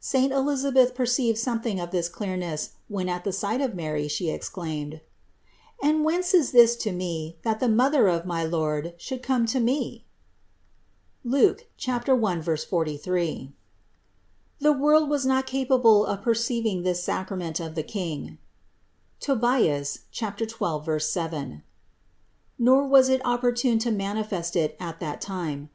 169. Saint Elisabeth perceived something of this clear ness, when at the sight of Mary she exclaimed: "And whence is this to me, that the Mother of my Lord should come to me ?" (Luke 1, 43) . The world was not capable of perceiving this sacrament of the King (Tob. 12, 7), nor was it opportune to manifest it at that time.